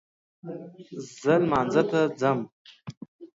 زه لمانځه ته ځم